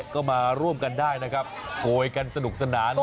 ก็มาร่วมกันได้นะครับโกยกันสนุกสนาน